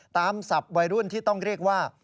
ศัพท์วัยรุ่นที่ต้องเรียกว่า